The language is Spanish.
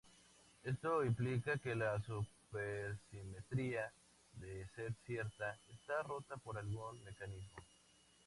Esto implica que la supersimetría, de ser cierta, está rota por algún mecanismo.